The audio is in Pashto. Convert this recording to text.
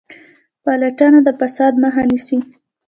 پلټنه د فساد مخه نیسي